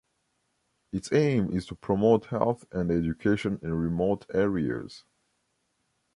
Its aim is to promote health and education in remote areas.